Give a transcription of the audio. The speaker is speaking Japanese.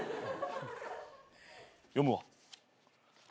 読むわ。